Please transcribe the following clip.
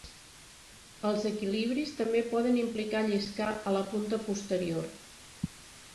Els equilibris també poden implicar lliscar a la punta posterior.